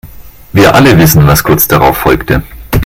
Wir alle wissen, was kurz darauf folgte.